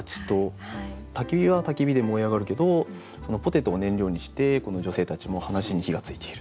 焚き火は焚き火で燃え上がるけどポテトを燃料にしてこの女性たちも話に火がついている。